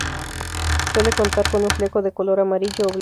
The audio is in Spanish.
Suele contar con un fleco de color amarillo o blanco.